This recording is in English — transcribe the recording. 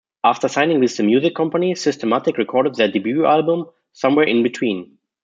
After signing with The Music Company, Systematic recorded their debut album, "Somewhere in Between".